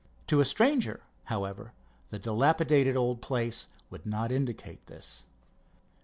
To a stranger, however, the dilapidated old place would not indicate this.